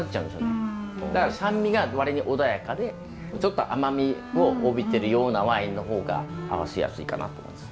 だから酸味が割に穏やかでちょっと甘みを帯びてるようなワインの方が合わせやすいかなと思います。